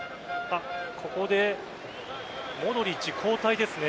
ここでモドリッチ、交代ですね。